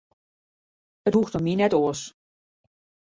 It hoecht om my net oars.